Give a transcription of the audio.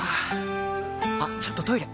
あっちょっとトイレ！